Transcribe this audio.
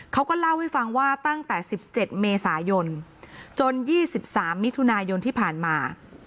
เขาก็เล่าให้ฟังว่าตั้งแต่๑๗เมษายนจน๒๓มิถุนายนที่ผ่านมา